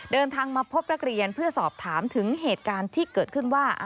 เดินทางมาพบนักเรียนเพื่อสอบถามถึงเหตุการณ์ที่เกิดขึ้นว่า